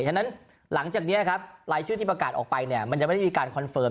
ฉะนั้นหลังจากนี้ครับรายชื่อที่ประกาศออกไปเนี่ยมันยังไม่ได้มีการคอนเฟิร์ม